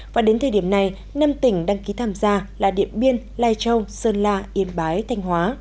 và đến thời điểm này năm tỉnh đăng ký tham gia là điện biên lai châu sơn la yên bái thanh hóa